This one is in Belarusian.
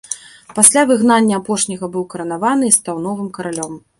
Пасля выгнання апошняга быў каранаваны і стаў новым каралём.